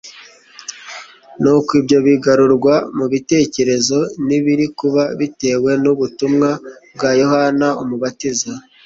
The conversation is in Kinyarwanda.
Nuko ibyo bigarurwa mu bitekerezo n'ibiri kuba bitewe n'ubutumwa bwa Yohana Umubatiza.